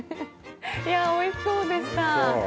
いや、おいしそうでした。